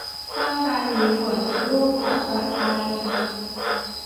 สร้างการมีส่วนร่วมของประชาชน